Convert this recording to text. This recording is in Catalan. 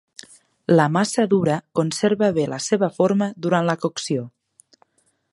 La massa dura conserva bé la seva forma durant la cocció.